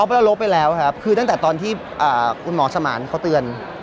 เราลบไปแล้วครับคือตั้งแต่ตอนที่คุณหมอสมานเขาเตือน